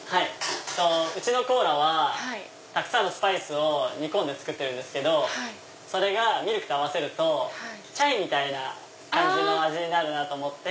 うちのコーラはたくさんのスパイスを煮込んで作ってるんですけどそれがミルクと合わせるとチャイみたいな感じの味になるなぁと思って。